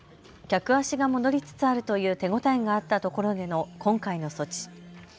客足が戻りつつあるという手応えがあったところでの今回の措置。